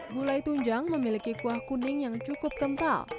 gulai tunjang memiliki kuah kuning yang cukup kental